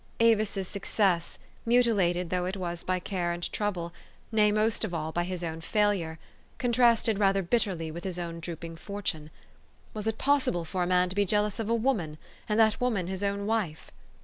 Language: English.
Avis's success mutilated though it was by care and trouble, nay, most of all, by his own failure contrasted rather bitterly with his own drooping fortune. Was it possible for a man to be jealous of a woman, and that woman his own wife?